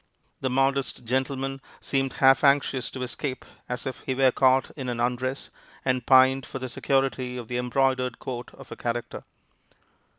The modest gentleman seemed half anxious to escape, as if he were caught in an undress, and pined for the security of the embroidered coat of a character.